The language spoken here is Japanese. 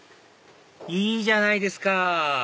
いいじゃないですか！